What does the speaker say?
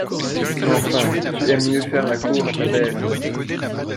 Enfin, tu aimes mieux faire la cour à ta belle!